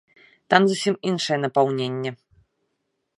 Там зусім іншае напаўненне.